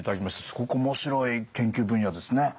すごく面白い研究分野ですね。